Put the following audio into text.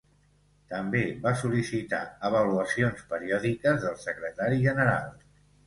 També va sol·licitar avaluacions periòdiques del Secretari General.